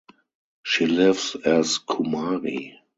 She lives as kumari.